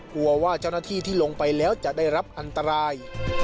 กลัวว่าเจ้าหน้าที่ที่ลงไปแล้วจะได้รับอันตราย